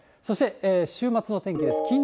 そして週末の天気です。